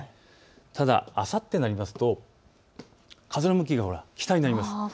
ただ、あさってになると風の向きが北になります。